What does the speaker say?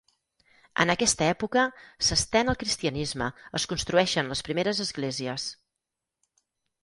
En aquesta època s'estén el cristianisme, es construeixen les primeres esglésies.